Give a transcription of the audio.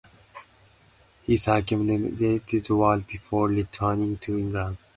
He circumnavigated the world before returning to England.